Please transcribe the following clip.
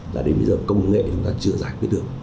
là đến bây giờ công nghệ chúng ta chưa giải quyết được